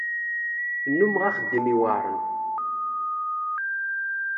Nnumeɣ axeddim iweɛren.